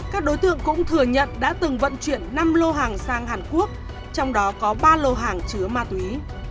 các đối tượng cũng thừa nhận đã từng vận chuyển năm lô hàng sang hàn quốc trong đó có ba lô hàng chứa ma túy